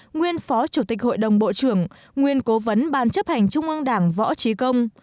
nguyên phó chủ tịch hội đồng bộ trưởng nguyên cố vấn ban chấp hành trung ương đảng võ trí công